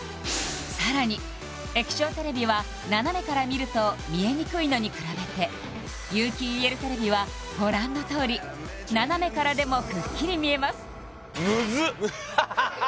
さらに液晶テレビは斜めから見ると見えにくいのに比べて有機ＥＬテレビはご覧のとおり斜めからでもくっきり見えますむ